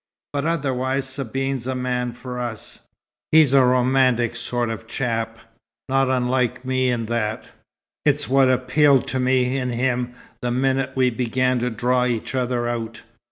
But otherwise Sabine's the man for us. He's a romantic sort of chap, not unlike me in that; it's what appealed to me in him the minute we began to draw each other out.